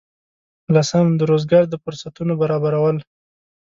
لسم: د روزګار د فرصتونو برابرول.